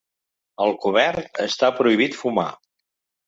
Al cobert està prohibit fumar.